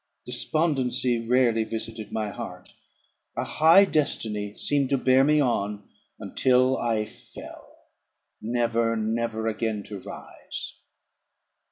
Despondency rarely visited my heart; a high destiny seemed to bear me on, until I fell, never, never again to rise."